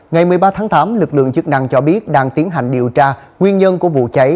ngày một mươi ba tháng tám lực lượng chức năng cho biết đang tiến hành điều tra nguyên nhân của vụ cháy